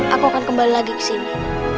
aku akan kembali lagi ke sini